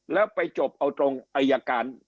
แล้วไปจบเอาตรงอายการ